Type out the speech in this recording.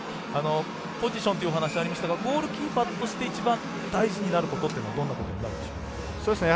ポジションというお話ありましたがゴールキーパーとして一番、大事になることはどんなことになるんでしょう？